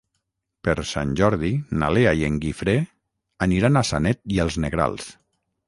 Per Sant Jordi na Lea i en Guifré aniran a Sanet i els Negrals.